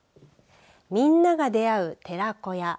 みんなが出会う寺子屋。